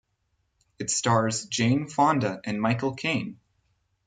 It stars Jane Fonda and Michael Caine.